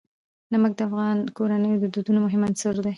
نمک د افغان کورنیو د دودونو مهم عنصر دی.